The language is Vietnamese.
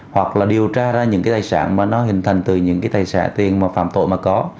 hoặc là điều tra ra những tài sản mà nó hình thành từ những tài sản tiền phạm tội mà có